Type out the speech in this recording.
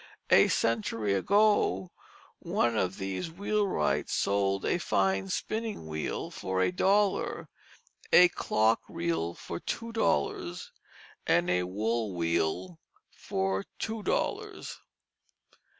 A century ago one of these wheelwrights sold a fine spinning wheel for a dollar, a clock reel for two dollars, and a wool wheel for two dollars.